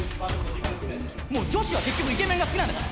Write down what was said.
女子は結局、イケメンが好きなんだから。